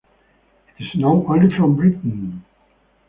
It is known only from Britain.